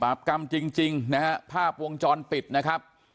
ปราบกรรมจริงภาพวงจรปิดนะครับ